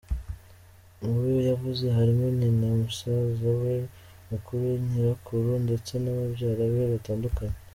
Mu be yabuze, harimo nyina, musaza we mukuru, nyirakuru ndetse na babyara be batandukanye.